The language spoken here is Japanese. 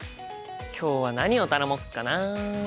今日は何を頼もっかな。